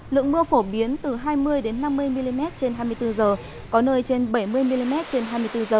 lượng mưa phổ biến từ hai mươi năm mươi mm trên hai mươi bốn h có nơi trên bảy mươi mm trên hai mươi bốn h